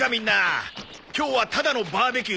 今日はただのバーベキューじゃないぞ。